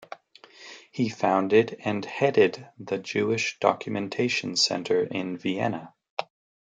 He founded and headed the Jewish Documentation Center in Vienna.